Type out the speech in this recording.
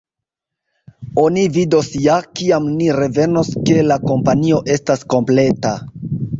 Oni vidos ja, kiam ni revenos, ke la kompanio estas kompleta.